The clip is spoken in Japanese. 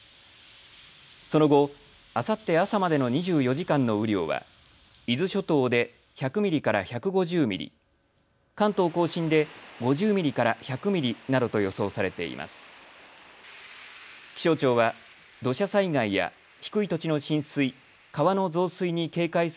その後、あさって朝までの２４時間の雨量は伊豆諸島で１００ミリから１５０ミリ関東・甲信で５０ミリから１００ミリなどと予想されています。